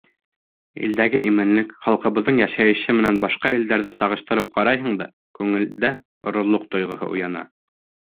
Илдәге именлек, халҡыбыҙҙың йәшәйеше менән башҡа илдәрҙе сағыштырып ҡарайһың да күңелдә ғорурлыҡ тойғоһо уяна.